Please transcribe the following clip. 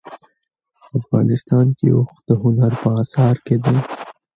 افغانستان کې اوښ د هنر په اثار کې دي.